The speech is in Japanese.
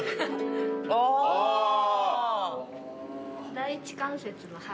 第一関節の腹で。